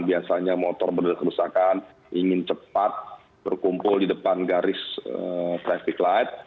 biasanya motor benar benar kerusakan ingin cepat berkumpul di depan garis traffic light